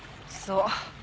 そう。